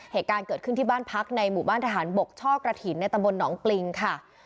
เหตุการณ์เกิดขึ้นที่บ้านพักในหมู่บ้านทหารบกช่อกระถิ่นในตำบลหนองปริงค่ะ